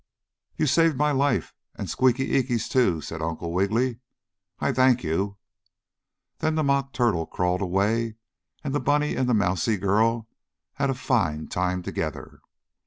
"But you saved my life, and Squeaky Eeky's, too," said Uncle Wiggily. "I thank you!" Then the Mock Turtle crawled away and the bunny and mousie girl had a fine time together.